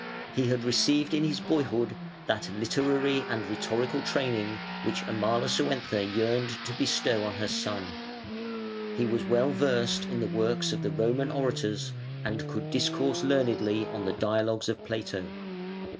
He had received in his boyhood that literary and rhetorical training which Amalasuentha yearned to bestow on her son; he was well versed in the works of the Roman orators and could discourse learnedly on the dialogues of Plato.